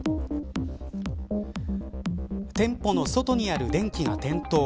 店舗の外にある電気が点灯。